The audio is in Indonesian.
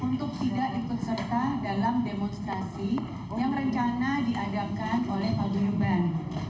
untuk tidak ikut serta dalam demonstrasi yang rencana diadakan oleh paguyurban